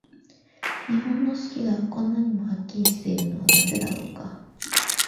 日本の四季が、こんなにもはっきりしているのはなぜだろうか。